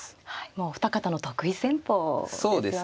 もうお二方の得意戦法ですよね。